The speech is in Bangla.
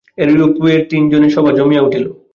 এইরূপে তিনজনের সভা জমিয়া উঠিল।